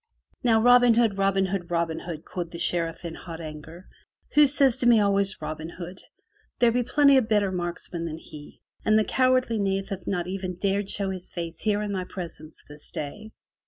"Now, Robin Hood, Robin Hood, Robin Hood," quoth the Sheriff in hot anger. *'Who says to me always Robin Hood? There be plenty of better marksmen than he, and the cowardly knave hath not even dared show his face here in my presence this day!